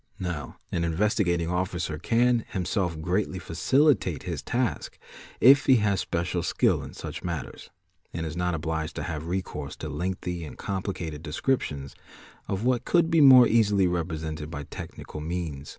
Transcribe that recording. Now an Investigating Officer can himself greatly facilitat his task if he has special skill in such matters, and is not obliged to hay recourse to lengthy and complicated descriptions of what could be mot easily represented by technical means.